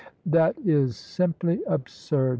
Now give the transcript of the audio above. " That is simply absurd.